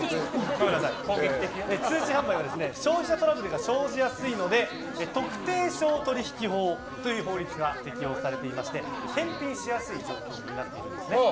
通信販売は消費者トラブルが生じやすいので特定商取引法という法律が適用されていて返品しやすい状況になってるんです。